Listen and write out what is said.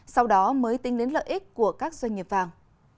sau đó mới tính đến lợi ích của các doanh nghiệp vàng